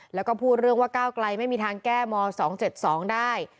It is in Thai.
แล้วก็พูดเรื่องว่าก้าวไกลไม่มีทางแก้ม๒๗๒ได้